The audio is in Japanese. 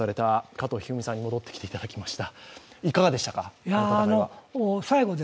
加藤一二三さんに戻っていただきました。